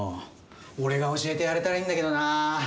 俺が教えてやれたらいいんだけどな。